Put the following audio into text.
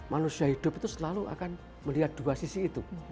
manusia hidup itu selalu akan melihat dua sisi itu